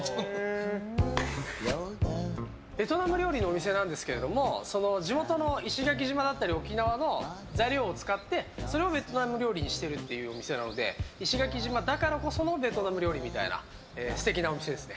ベトナム料理のお店なんですけど地元の石垣島だったり沖縄の材料を使ってそれをベトナム料理にしてるというお店なので石垣島だからこそのベトナム料理みたいな素敵なお店ですね。